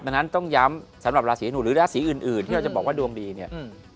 ดังนั้นต้องย้ำสำหรับราศีหนูหรือราศีอื่นอื่นที่เราจะบอกว่าดวงดีเนี่ย